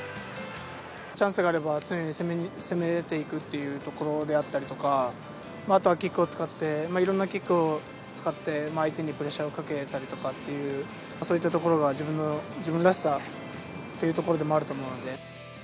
チャンスがあれば、常に攻めていくっていうところであったりとか、あとはキックを使って、いろんなキックを使って、相手にプレッシャーをかけたりとかっていう、そういったところが自分らしさというところでもあると思うので。